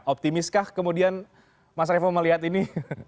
optimistkah kemudian mas raffan melihat ini